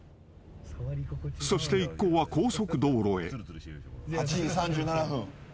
［そして一行は高速道路へ］